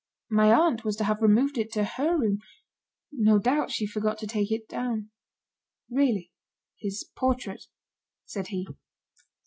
"My aunt was to have removed it to her room. No doubt she forgot to take it down." "Really; his portrait," said he.